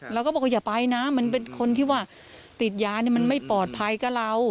เราก็บอกว่าอย่าไปนะมันเป็นคนที่ว่าติดยานี่มันไม่ปลอดภัยกับเรา